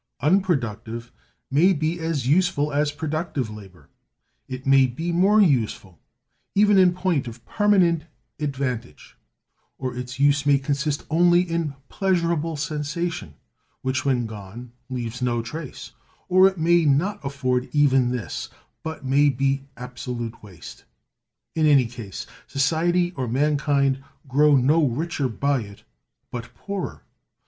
Unproductive may be as useful as productive labor; it may be more useful, even in point of permanent advantage; or its use may consist only in pleasurable sensation, which when gone leaves no trace; or it may not afford even this, but may be absolute waste. In any case, society or mankind grow no richer by it, but poorer.